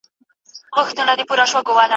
کښتۍ هم ورڅخه ولاړه پر خپل لوري